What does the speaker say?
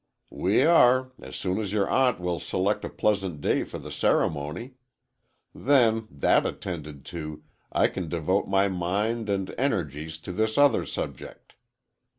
"We are. As soon as your aunt will select a pleasant day for the ceremony. Then, that attended to, I can devote my mind and energies to this other subject.